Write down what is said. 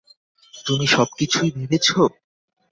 তুমি সবকিছুই ভেবেছো!